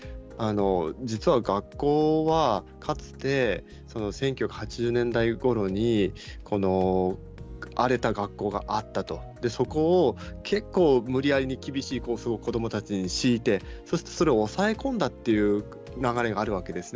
実は学校はかつて１９８０年代ごろに荒れた学校があったと、そこを結構、無理やり厳しい校則を子どもたちに強いてそれを抑え込んだという流れがあるわけです。